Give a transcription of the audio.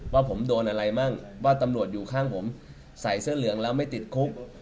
ว่าผมโดนอะไรมั่งว่าตำรวจอยู่ข้างผมใส่เสื้อเหลืองแล้วไม่ติดคุก